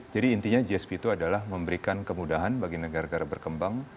jadi intinya gsp itu adalah memberikan kemudahan bagi negara negara berkembang